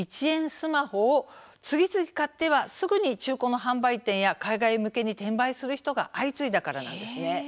スマホを次々買ってはすぐに中古の販売店や海外向けに転売する人が相次いだからなんです。